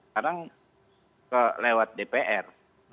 kadang lewat dpr